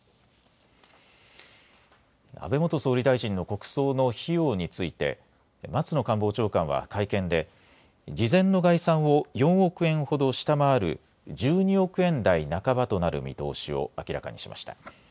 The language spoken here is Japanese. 安倍元総理大臣の国葬の費用について松野官房長官は会見で事前の概算を４億円ほど下回る１２億円台半ばとなる見通しを明らかにしました。